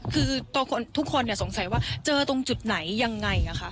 คือทุกคนสงสัยว่าเจอตรงจุดไหนยังไง